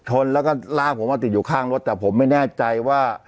ชนแล้วก็ลากผมมาติดอยู่ข้างรถแต่ผมไม่แน่ใจว่า